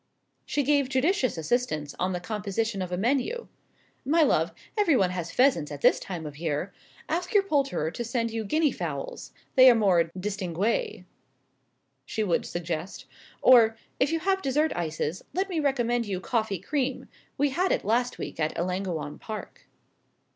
She gave judicious assistance in the composition of a menu. "My love, everyone has pheasants at this time of year. Ask your poulterer to send you guinea fowls, they are more distingué," she would suggest. Or: "If you have dessert ices, let me recommend you coffee cream. We had it last week at Ellangowan Park."